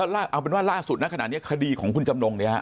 เอาเป็นว่าล่าสุดนะขณะนี้คดีของคุณจำนงเนี่ยฮะ